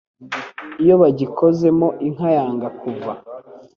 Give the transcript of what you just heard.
Iyo bagikozemo inka yanga kuva